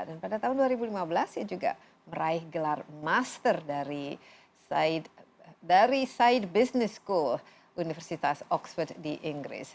dan pada tahun dua ribu lima belas ya juga meraih gelar master dari said business school universitas oxford di inggris